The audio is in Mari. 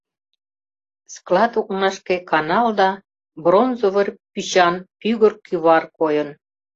Склад окнашке канал да бронзовый пӱчан пӱгыр кӱвар койын.